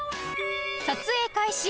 撮影開始